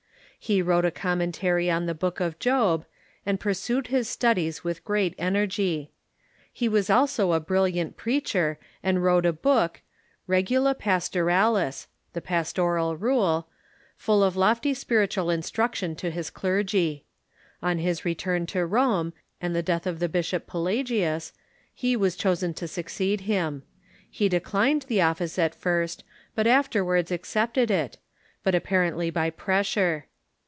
He wrote a commentary on the Book of Job, and pursued his studies with great energy. He was also a brilliant preacher, and wrote a book, "Regula Pas toralis" (the Pastoral Rule), full of lofty spiritual instruction to his clergy. On his return to Rome, and the death of the bishop Pelagius, he was chosen to succeed him. He declined the office at first, but afterwards accepted it, but apparently by pressure.